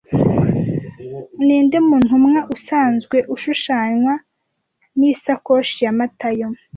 Ninde mu Ntumwa usanzwe ushushanywa n'isakoshi ya Matayo